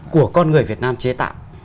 của con người việt nam chế tạo